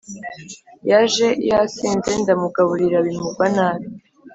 Yaje yasinze ndamugaburira bimugwa nabi